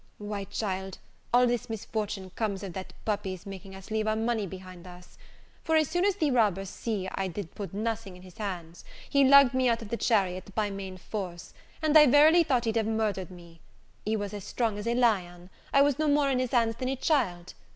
"Why, child, all this misfortune comes of that puppy's making us leave our money behind us; for, as soon as the robber see I did put nothing in his hands, he lugged me out of the chariot by main force, and I verily thought he'd have murdered me. He was as strong as a lion; I was no more in his hands than a child.